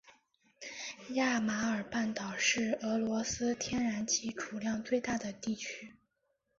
亚马尔半岛是俄罗斯天然气储量最大的地区。